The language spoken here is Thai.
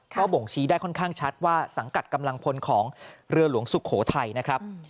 ก็บ่งชี้ได้ค่อนข้างชัดว่าสังกัดกำลังพลของเรือหลวงสุโขทัยนะครับ